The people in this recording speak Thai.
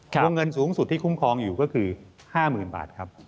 วงเงินสูงสุดที่คุ้มครองอยู่ก็คือ๕๐๐๐บาทครับ